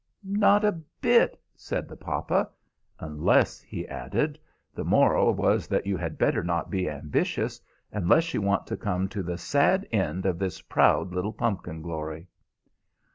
"Not a bit," said the papa. "Unless," he added, "the moral was that you had better not be ambitious, unless you want to come to the sad end of this proud little pumpkin glory."